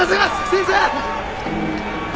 先生！